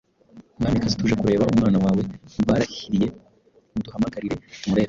Mwamikazi, tuje kureba umwana wawe barahiriye muduhamagarire tumurebe!"